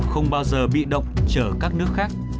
không bao giờ bị động chở các nước khác